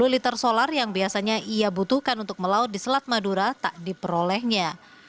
sepuluh liter solar yang biasanya ia butuhkan untuk melaut di selat madura tak diperolehnya